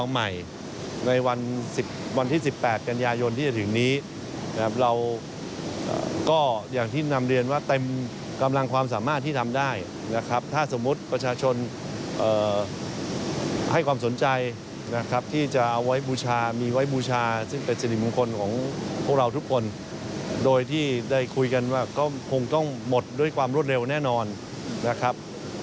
ให้ความสนใจนะครับที่จะเอาไว้บูชามีไว้บูชาซึ่งเป็นสินิมของคนของพวกเราทุกคนโดยที่ได้คุยกันว่าก็คงต้องหมดด้วยความรวดเร็วแน่นอนนะครับ